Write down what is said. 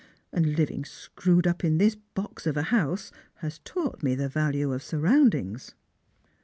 And living screwed up in this box of a house has taught me the value of Burroundings."